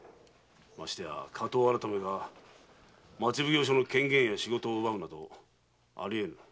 ましてや火盗改が町奉行所の権限や仕事を奪うなどありえん。